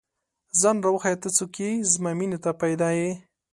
ځان راوښیه، ته څوک ئې؟ زما مینې ته پيدا ې